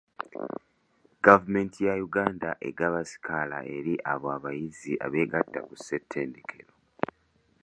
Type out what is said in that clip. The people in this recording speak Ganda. Gavumenti ya Uganda egaba sikaala eri abo abayizi abeegatta ku ssettendekero.